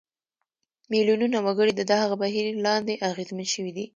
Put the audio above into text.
میلیونونه وګړي د دغه بهیر لاندې اغېزمن شوي دي.